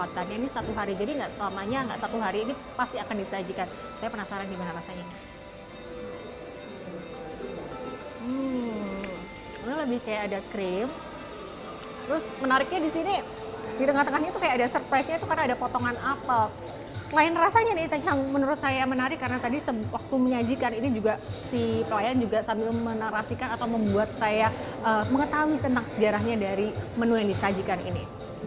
tadi waktu menyajikan ini juga si pelayan juga sambil menarasikan atau membuat saya mengetahui tentang sejarahnya dari menu yang disajikan ini